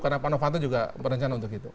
karena pak novanto juga berencana untuk itu